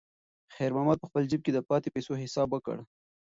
خیر محمد په خپل جېب کې د پاتې پیسو حساب وکړ.